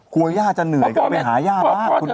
ย่าจะเหนื่อยก็ไปหาย่าบ้าง